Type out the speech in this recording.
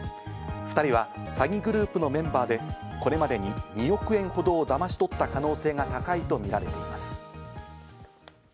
２人は詐欺グループのメンバーで、これまでに２億円ほどをだまし取った可能性が高いとみられています。